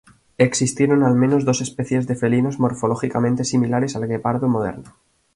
Existieron al menos dos especies de felinos morfológicamente similares al guepardo moderno.